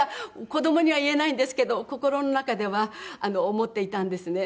子供には言えないんですけど心の中では思っていたんですね。